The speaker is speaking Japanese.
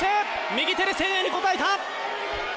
右手で声援に応えた！